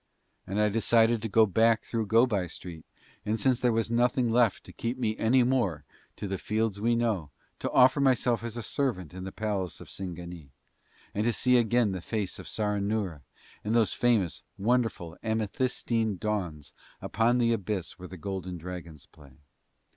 And I decided to go back through Go by Street and, since there was nothing left to keep me any more to the fields we know, to offer myself as a servant in the palace of Singanee, and to see again the face of Saranoora and those famous, wonderful, amethystine dawns upon the abyss where the golden dragons play.